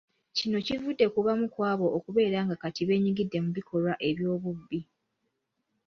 Kino kivudde ku bamu ku abo okubeera nga kati beenyigidde mu bikolwa eby’obubbi.